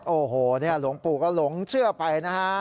โอ้โหเนี่ยหลวงปู่ก็หลงเชื่อไปนะฮะ